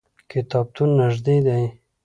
کتابتون نږدې دی